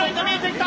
きた！